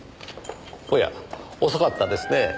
おや遅かったですねえ。